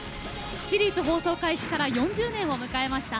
シリーズ放送開始から４０年を迎えました。